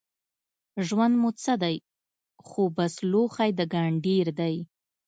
ژوند مو څه دی خو بس لوښی د ګنډېر دی